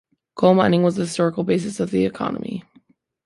Coal mining was the historical basis of the economy.